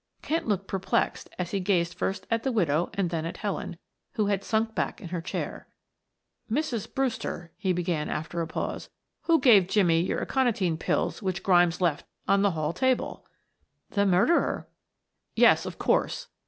Kent looked perplexed as he gazed first at the widow and then at Helen, who had sunk back in her chair. "Mrs. Brewster," he began after a pause. "Who gave Jimmie your aconitine pills which Grimes left on the hall table?" "The murderer." "Yes, of course."